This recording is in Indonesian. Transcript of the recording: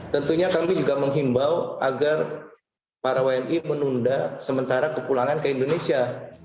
tentunya kami juga menghimbau agar para wni menunda sementara kepulangan ke indonesia